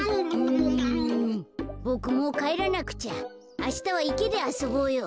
ボクもうかえらなくちゃ。あしたはいけであそぼうよ。